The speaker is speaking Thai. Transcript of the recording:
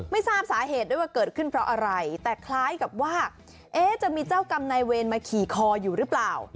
ไม่ทราบสาเหตุด้วยว่าเกิดขึ้นเพราะอะไรแต่คล้ายกับว่าจะมีเจ้ากรรมนายเวรมาขี่คออยู่หรือเปล่า